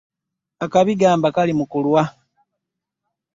Akabi bagamba kali mu kulwa.